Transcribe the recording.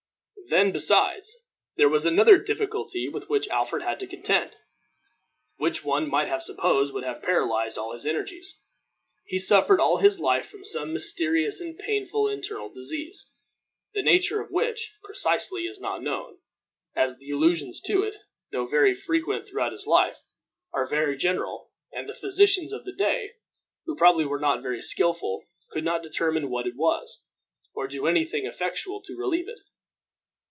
Then, besides, there was another difficulty with which Alfred had to contend, which one might have supposed would have paralyzed all his energies. He suffered all his life from some mysterious and painful internal disease, the nature of which, precisely, is not known, as the allusions to it, though very frequent throughout his life, are very general, and the physicians of the day, who probably were not very skillful, could not determine what it was, or do any thing effectual to relieve it.